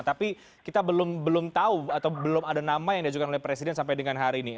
tapi kita belum tahu atau belum ada nama yang diajukan oleh presiden sampai dengan hari ini